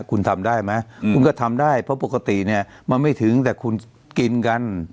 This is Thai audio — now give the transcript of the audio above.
คุณทำได้ไหมคุณก็ทำได้เพราะปกติเนี่ยมันไม่ถึงแต่คุณกินกัน